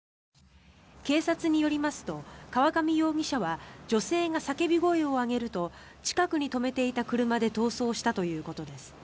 警察によりますと、河上容疑者は女性が叫び声を上げると近くに止めていた車で逃走したということです。